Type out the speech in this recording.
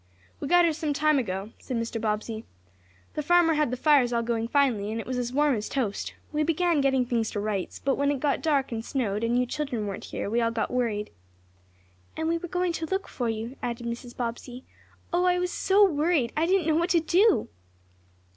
"We got here some time ago," said Mr. Bobbsey. "The farmer had the fires all going finely, and it was as warm as toast. We began getting things to rights, but when it got dark, and snowed, and you children weren't here, we all got worried." "And we were going to look for you," added Mrs. Bobbsey. "Oh, I was so worried I didn't know what to do!"